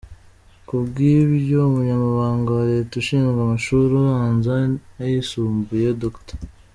Kubw’ibyo, Umunyamabanga wa Leta ushinzwe amashuri abanza n’ayisumbuye, Dr.